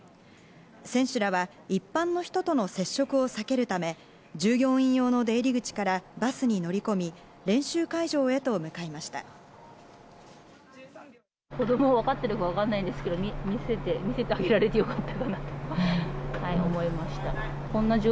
選手らは一般の人との接触を避けるため、従業員用の出入り口からバスに乗り込み、練習会場へと向かいました。